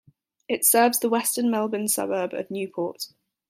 It serves the western Melbourne suburb of Newport.